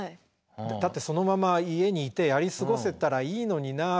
だってそのまま家にいてやり過ごせたらいいのになあ